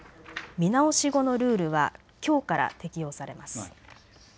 見直し後のルールはきょうから適用されます。